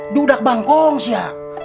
dudak bangkong sih ya